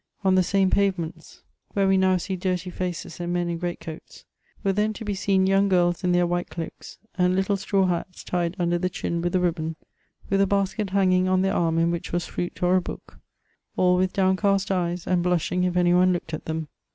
On the same payements where we now see dirty faces and men in great coats, were then to be seen young g^irls in their white cloaks, and little straw hats tied under the chin with a ribbon, with a basket hanging on their arm in which was fruit or a book ; all with downcast eyes, and blushing if any one looked at them.